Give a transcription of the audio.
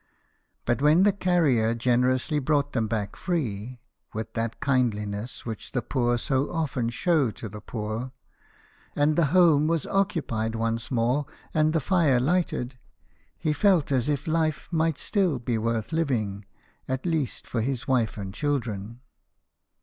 But when the carrier generously brought them back free (with that kindliness which the poor so often show to the poor), and the home was occupied once more, and the fire THOMAS EDWARD, SHOEMAKER. 181 lighted, he felt as if life might still be worth living, at least for his wife and children.